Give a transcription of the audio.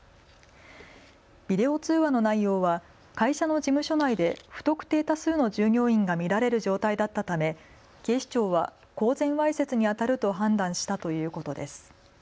ビデオ通話の内容は会社の事務所内で不特定多数の従業員が見られる状態だったため警視庁は公然わいせつにあたると判断したということです。